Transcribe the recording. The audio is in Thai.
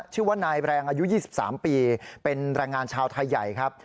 ชื่อว่านายแรงอายุ๒๓ปีเป็นแรงงานชาวไทยใหญ่ครับ